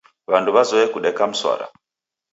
W'andu wazoya kudeka mswara.